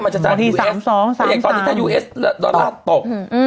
เงินด้วยถูกต้องไหมมันจะจากยูเอสตอนนี้ถ้ายูเอสดอลลาร์ดตก